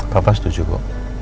papa setuju bu